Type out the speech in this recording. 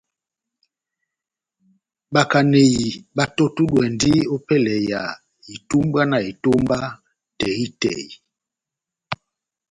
Bakaneyi batɔ́tudwɛndi opɛlɛ ya itumbwana etómba tɛhi-tɛhi.